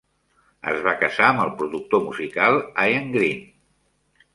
Es va casar amb el productor musical Ian Green.